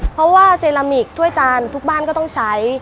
เพราะว่าเซรามิกถ้วยจานทุกบ้านก็ต้องใช้